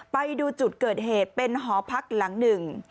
ไปดูจุดเกิดเหตุเป็นหอพักหลังหนึ่ง